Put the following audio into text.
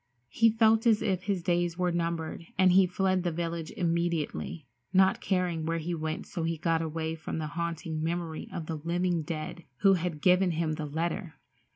He felt as if his days were numbered and he fled the village immediately, not caring where he went so he got away from the haunting memory of the living dead who had given him the letter.